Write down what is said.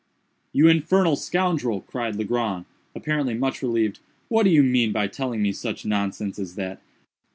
"You infernal scoundrel!" cried Legrand, apparently much relieved, "what do you mean by telling me such nonsense as that?